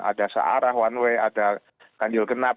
ada searah one way ada ganjil genap